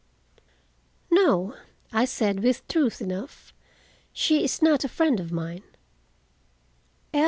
"No," I said with truth enough, "she is not a friend of mine."